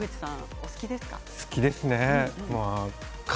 お好きですか？